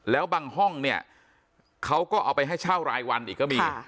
แล้วบางห้องเนี่ยเขาก็เอาไปให้เช่ารายวันอีกก็มี